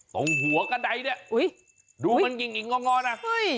ตรงหัวกระดัยเนี่ยดูมันหญิงง่อนน่ะ